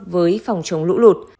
với phòng chống lũ lụt